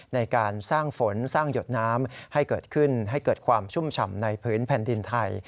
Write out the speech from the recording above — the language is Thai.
ในการสร้างฝนสร้างหยดน้ำให้เกิดขึ้นให้เกิดความชุ่มฉ่ำในพื้นแผ่นดินไทย